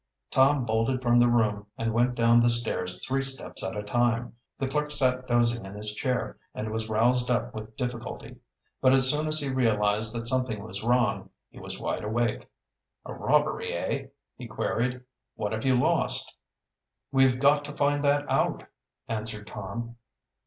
Tom bolted from the room and went down the stairs three steps at a time. The clerk sat dozing in his chair and was roused up with difficulty. But as soon as he realized that something was wrong he was wide awake. "A robbery, eh?" he queried. "What have you lost?" "We've got to find that out," answered Tom.